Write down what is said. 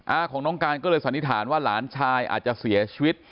อาของน้องการก็เลยสันนิษฐานว่าหลานชายอาจจะเสียชีวิต